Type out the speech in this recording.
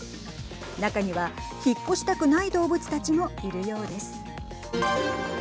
中には引っ越したくない動物たちもいるようです。